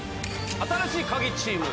新しいカギチーム。